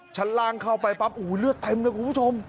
ชั้นล่างเข้าไปปั๊บโอ้โหเลือดเต็มเลยคุณผู้ชม